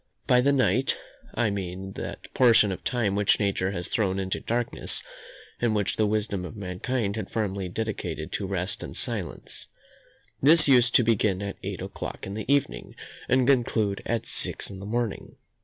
By the night, I mean that portion of time which Nature has thrown into darkness, and which the wisdom of mankind had formerly dedicated to rest and silence. This used to begin at eight o'clock in the evening, and conclude at six in the morning.